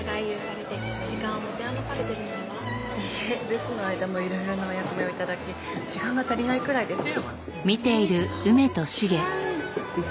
留守の間もいろいろなお役目を頂き時間が足りないくらいです。